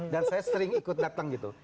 saya sering ikut datang gitu